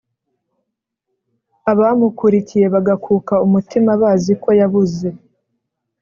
Abamukurikiye bagakuka umutima baziko yabuze